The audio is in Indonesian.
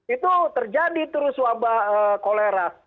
itu terjadi terus wabah kolera